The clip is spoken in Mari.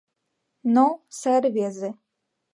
Но сай рвезе.